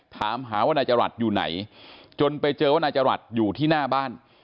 ถามหาว่านายจักรวรรดิอยู่ไหนจนไปเจอว่านายจักรวรรดิอยู่ที่หน้าบ้าน